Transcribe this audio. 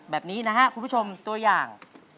แบบนี้นะครับคุณผู้ชมตัวอย่าง